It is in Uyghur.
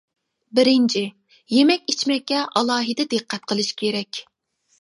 بىرىنچى: يېمەك-ئىچمەككە ئالاھىدە دىققەت قىلىش كېرەك.